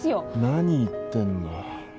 何言ってんの。